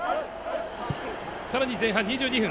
更に前半２２分。